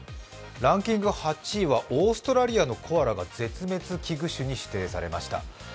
ランキング８位はオーストラリアのコアラが絶滅危惧種に指定されました。